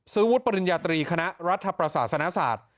วุฒิปริญญาตรีคณะรัฐประศาสนศาสตร์